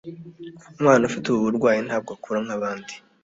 umwana ufite ubu burwayi ntabwo akura nk’abandi